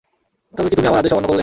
তবে কি তুমি আমার আদেশ অমান্য করলে?